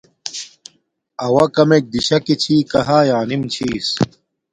اݸݳ کمݵک دِشَکݵ چھݵکݳ ہݳئݵ آنِم چݵس.